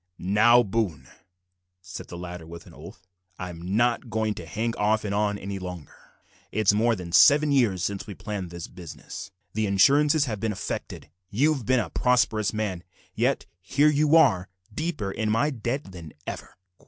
"Now, Boone," said the latter, with an oath, "I'm not goin' to hang off and on any longer. It's more than seven years since we planned this business, the insurances have been effected, you've bin a prosperous man, yet here you are, deeper in my debt than ever."